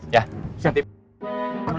ya nanti beli aja